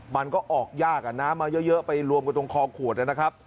มันก็ออกยากอ่ะน้ำมาเยอะไปรวมกันตรงคอขวดนะครับ